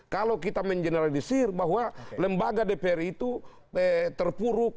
kalau kita mengenalisisir bahwa lembaga dprd itu terpuruk